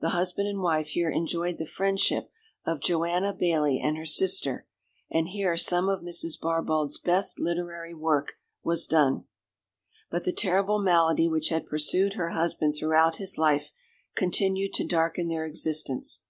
The husband and wife here enjoyed the friendship of Joanna Baillie and her sister, and here some of Mrs. Barbauld's best literary work was done. But the terrible malady which had pursued her husband throughout his life continued to darken their existence.